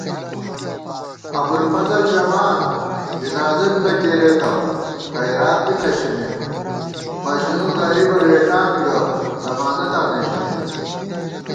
ابُوالفضل ژمان ،ځِنازہ بی نہ کېرېتہ خَیرات بی نہ ݪِمېت * مجنُون غریبہ رېٹان گہ، ضمانَتاں نہ ژِمېت